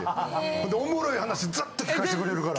ほんでおもろい話ずっと聞かしてくれるから。